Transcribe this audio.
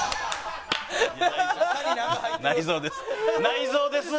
内臓です。